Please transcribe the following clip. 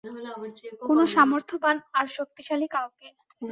কোন সামর্থ্যবান আর শক্তিশালী কাউকে।